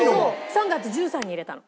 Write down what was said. ３月１３日に入れたの。